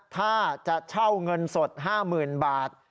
ถ้าจะเช่าเงินสด๕๐๐๐บาท